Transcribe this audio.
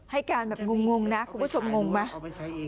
ให้การแบบงงนะคุณผู้ชมงงไหม